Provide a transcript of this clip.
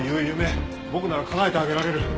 僕なら叶えてあげられる。